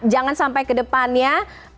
jangan sampai ke depannya